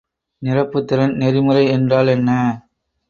நிரப்புதிறன் நெறிமுறை என்றால் என்ன?